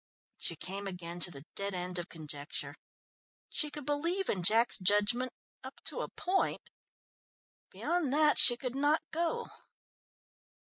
She came again to the dead end of conjecture. She could believe in Jack's judgment up to a point beyond that she could not go.